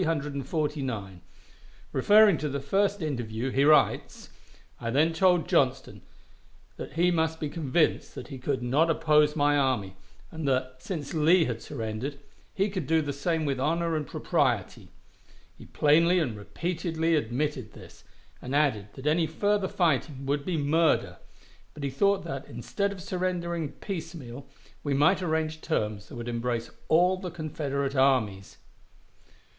Referring to the first interview, he writes: "I then told Johnston that he must be convinced that he could not oppose my army, and that, since Lee had surrendered, he could do the same with honor and propriety. He plainly and repeatedly admitted this, and added that any further fighting would be 'murder'; but he thought that, instead of surrendering piecemeal, we might arrange terms that would embrace all the Confederate armies."